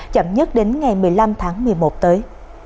chậm nhất đến ngày một mươi năm tháng một mươi một tới